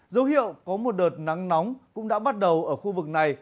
dấu hiệu có một đợt nắng nóng cũng đã bắt đầu ở khu vực này